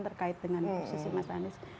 terkait dengan posisi mas anies